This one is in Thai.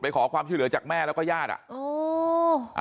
ขอความช่วยเหลือจากแม่แล้วก็ญาติอ่ะ